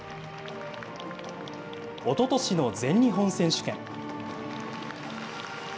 おととしの全日本選手権。